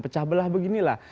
pecah belah beginilah